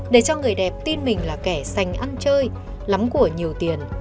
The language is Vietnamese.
để cho người đẹp tin mình là kẻ sành ăn chơi lắm của nhiều tiền